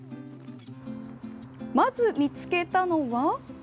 まず見つけたのは。